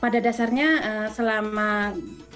pada dasarnya selama gedung nanti yang akan dihubungkan